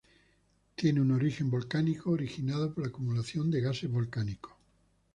Tiene un origen volcánico, originada por la acumulación de gases volcánicos.